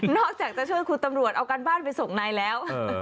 อกจากจะช่วยคุณตำรวจเอาการบ้านไปส่งนายแล้ว